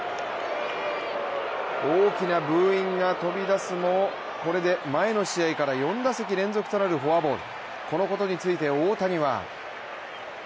大きなブーイングが飛び出すもこれで前の試合から４打席連続となるフォアボール。